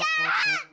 aku bencin sama kakak